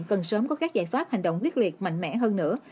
cần sớm có các giải pháp hành động quyết liệt mạnh mẽ hơn nữa